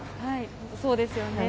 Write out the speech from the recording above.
そうですよね。